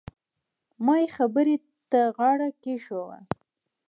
ما يې خبرې ته غاړه کېښووه.